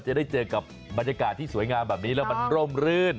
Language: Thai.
จะได้เจอกับบรรยากาศที่สวยงามแบบนี้แล้วมันร่มรื่น